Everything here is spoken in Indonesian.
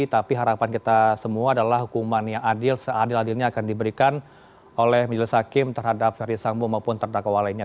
tapi harapan kita semua adalah hukuman yang adil seadil adilnya akan diberikan oleh majelis hakim terhadap ferdisambo maupun terdakwa lainnya